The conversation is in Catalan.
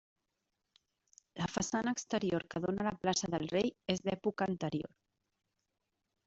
La façana exterior que dóna a la plaça del Rei és d'època anterior.